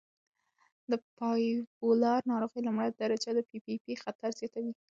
د بایپولار ناروغۍ لومړۍ درجه د پي پي پي خطر زیاتوي.